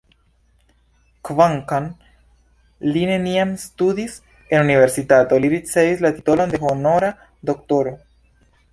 Kvankam li neniam studis en universitato, li ricevis la titolon de honora doktoro.